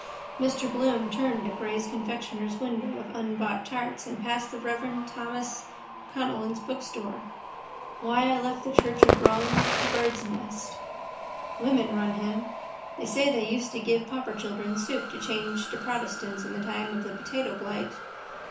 Mr Bloom turned at Gray's confectioner's window of unbought tarts and passed the reverend Thomas Connellan's bookstore. Why I left the church of Rome? Birds' Nest. Women run him. They say they used to give pauper children soup to change to protestants in the time of the potato blight.